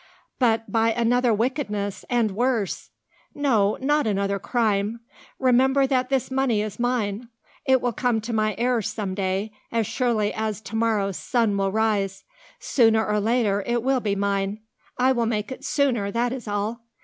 "But by another wickedness and worse." "No not another crime. Remember that this money is mine. It will come to my heirs some day, as surely as to morrow's sun will rise. Sooner or later it will be mine; I will make it sooner, that is all.